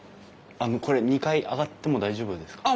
あのこれ２階上がっても大丈夫ですか？